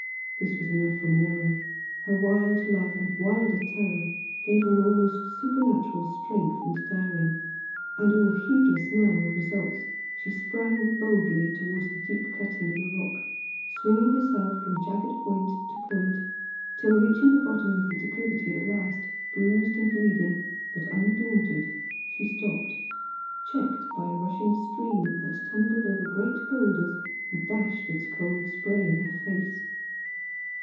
This was enough for Manella her wild love and wilder terror gave her an almost supernatural strength and daring, and all heedless now of results she sprang boldly towards the deep cutting in the rock, swinging herself from jagged point to point till reaching the bottom of the declivity at last, bruised and bleeding, but undaunted, she stopped, checked by a rushing stream which tumbled over great boulders and dashed its cold spray in her face.